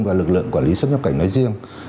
và lực lượng quản lý xuất nhập cảnh nói riêng